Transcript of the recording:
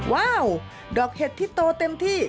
ว้าวดอกเห็ดที่โตเต็มที่